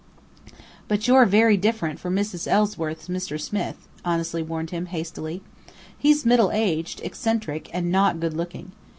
"But you're very different from Mrs. Ellsworth's Mr. Smith," Annesley warned him, hastily. "He's middle aged, eccentric, and not good looking.